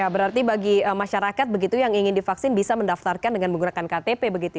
berarti bagi masyarakat yang ingin divaksin bisa mendaftarkan dengan menggunakan ktp